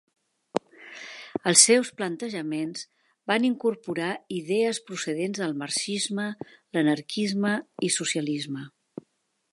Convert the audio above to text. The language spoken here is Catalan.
Els seus plantejaments van incorporar idees procedents del marxisme, l'anarquisme i socialisme.